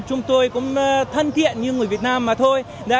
chúng tôi cũng thân thiện như người việt nam mà thôi